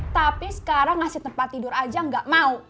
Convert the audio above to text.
tapi sekarang ngasih tempat tidur aja nggak mau